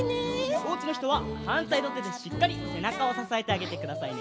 おうちのひとははんたいのてでしっかりせなかをささえてあげてくださいね。